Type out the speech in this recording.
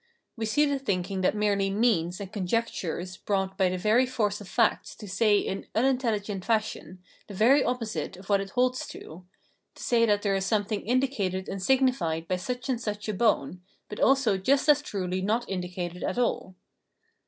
We see the thinking that merelj^ "means" and "conjectures" brought by the very force of facts to say in unintelhgent fashion the very opposite of what it holds to — to say that there is something indicated and signified by such and such a bone, but also just as truly not indicated at all.